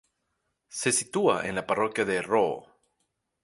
Se sitúa en la parroquia de Roo.